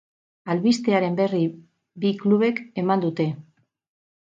Albistearen berri bi klubek eman dute.